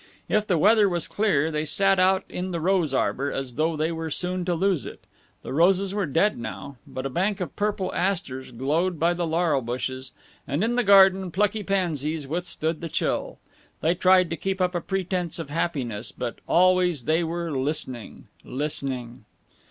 If the weather was clear they sat out in the rose arbor as though they were soon to lose it. The roses were dead, now, but a bank of purple asters glowed by the laurel bushes, and in the garden plucky pansies withstood the chill. They tried to keep up a pretense of happiness, but always they were listening listening.